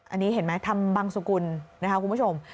อันนี้เห็นไหมทำบังสุกุลนะคะคุณผู้ชม